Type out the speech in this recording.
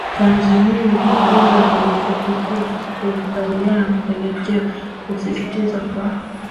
Tanzania wiki mbili zilizopita kutokukubaliana kulipelekea kusitishwa kwa